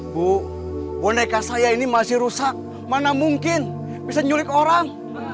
bu boneka saya ini masih rusak mana mungkin bisa nyulik orang